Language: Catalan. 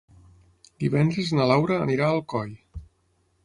Divendres na Laura anirà a Alcoi.